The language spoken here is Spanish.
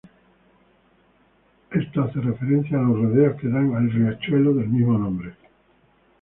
Esto hace referencia a los rodeos que da el riachuelo del mismo nombre.